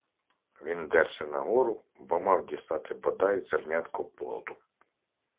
Він дерся на гору, бо мав дістати бодай зернятко плоду.